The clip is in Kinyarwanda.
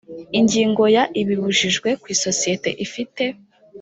ingingo ya ibibujijwe ku isosiyete ifite